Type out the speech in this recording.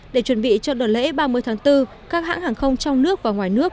để chuẩn bị cho đợt lễ ba mươi tháng bốn các hãng hàng không trong nước và ngoài nước